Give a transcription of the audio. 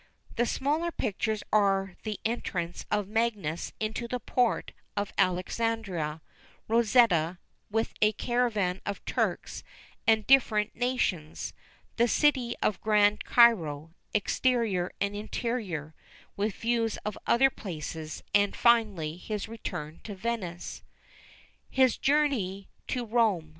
The smaller pictures are the entrance of Magius into the port of Alexandria; Rosetta, with a caravan of Turks and different nations; the city of Grand Cairo, exterior and interior, with views of other places; and finally, his return to Venice. His journey to Rome.